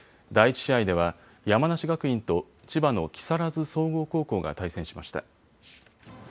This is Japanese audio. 第１試合では山梨学院と千葉の木更津総合高校が対戦しました。